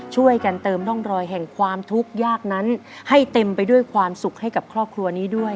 ช่วยกันเติมร่องรอยแห่งความทุกข์ยากนั้นให้เต็มไปด้วยความสุขให้กับครอบครัวนี้ด้วย